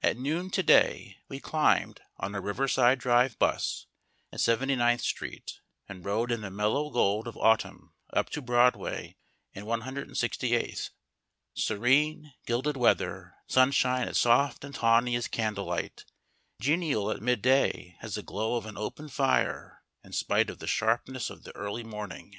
At noon to day we climbed on a Riverside Drive bus at Seventy ninth Street and rode in the mellow gold of autumn up to Broadway and 168th. Serene, gilded weather; sunshine as soft and tawny as candlelight, genial at midday as the glow of an open fire in spite of the sharpness of the early morning.